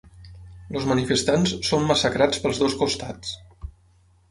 Els manifestants són massacrats pels dos costats.